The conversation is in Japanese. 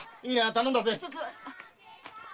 頼んだぜ。